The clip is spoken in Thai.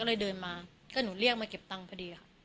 ก็เลยเดินมาก็หนูเรียกมาเก็บตังค์พอดีอ่ะค่ะเดี๋ยวนะจ๊ะ